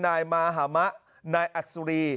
นายมาหามะนายอัศรี